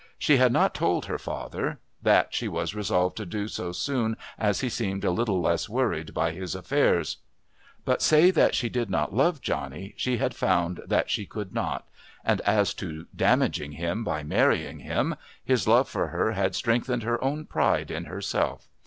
She had not told her father that she was resolved to do so soon as he seemed a little less worried by his affairs; but say that she did not love Johnny she had found that she could not, and as to damaging him by marrying him, his love for her had strengthened her own pride in herself.